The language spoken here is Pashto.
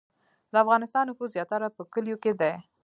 د افغانستان نفوس زیاتره په کلیو کې دی